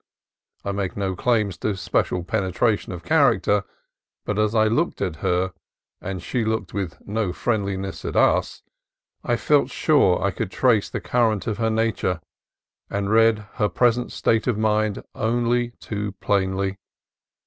I make no claims to special penetration of character, but as I looked at her, and she looked with no friendliness at us, I felt sure I could trace the current of her nature and read her present state of mind only too plainly.